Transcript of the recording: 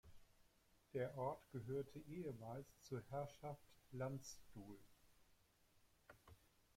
Der Ort gehörte ehemals zur Herrschaft Landstuhl.